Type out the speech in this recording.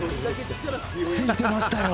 付いてましたよ！